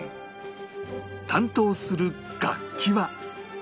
担当する楽器は